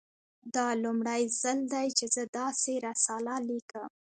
دا لومړی ځل دی چې زه داسې رساله لیکم